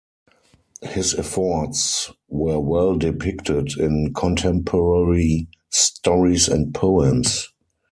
His efforts were well depicted in contemporary stories and poems.